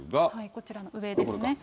こちらの上ですね。